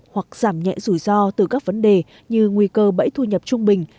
hoặc giảm nhẹ rủi ro từ các vấn đề như nguy cơ bẫy thu nhập trung bình